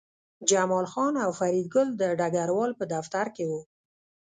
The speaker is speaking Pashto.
جمال خان او فریدګل د ډګروال په دفتر کې وو